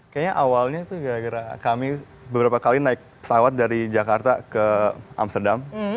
kayaknya awalnya kami beberapa kali naik pesawat dari jakarta ke amsterdam